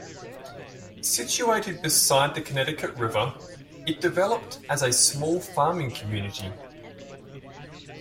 Situated beside the Connecticut River, it developed as a small farming community.